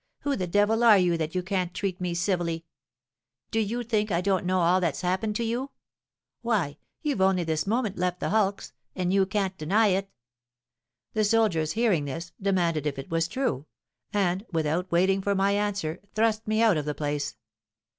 Who the devil are you that you can't treat me civilly? Do you think I don't know all that's happened to you? Why, you've only this moment left the hulks—and you can't deny it.'—The soldiers, hearing this, demanded if it was true; and, without waiting for my answer, thrust me out of the place.